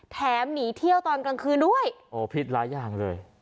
หนีเที่ยวตอนกลางคืนด้วยโอ้พิษหลายอย่างเลย